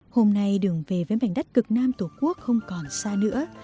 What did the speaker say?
hôm nay đường về với mảnh đất cực nam tổ quốc không còn xa nữa